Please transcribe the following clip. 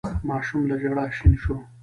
ماشوم له ژړا شين شو.